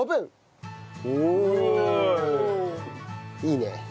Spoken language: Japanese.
いいね。